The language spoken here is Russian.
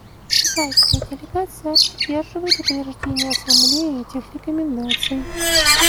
Китайская делегация поддерживает утверждение Ассамблеей этих рекомендаций.